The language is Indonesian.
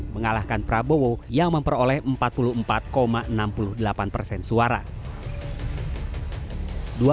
mengalahkan prabowo yang memperoleh empat puluh empat enam puluh delapan persen suara